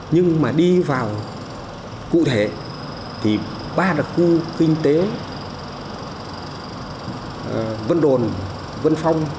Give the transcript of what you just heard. nhưng mà đi vào cụ thể thì ba đặc khu kinh tế vân đồn vân phong